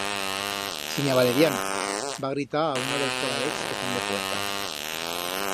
Sinya Valeriana, va gritar a uno d'els foradets que fan de puerta.